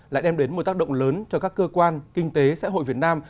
đã đưa đến một tác động lớn cho các cơ quan kinh tế xã hội việt nam